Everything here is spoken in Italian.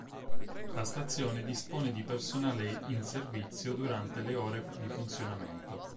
La stazione dispone di personale in servizio durante le ore di funzionamento.